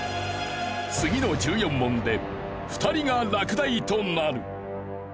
次の１４問で２人が落第となる。